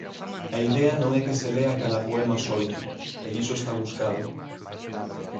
A idea non é que se lea cada poema solto e iso está buscado.